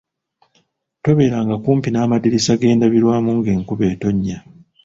Tobeeranga kumpi n'amadirisa g'endabirwamu ng'enkuba etonnya.